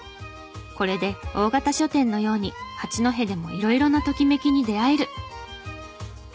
これで大型書店のように八戸でも色々なときめきに出会える！